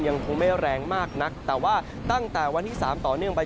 ยังคงไม่แรงมากนักแต่ว่าตั้งแต่วันที่๓ต่อเนื่องไป